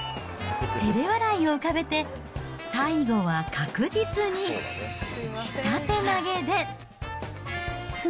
てれ笑いを浮かべて最後は確実に下手投げで。